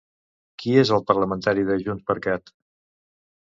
Qui és el parlamentari de JxCat?